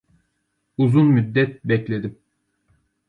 Uzun müddet bekledim.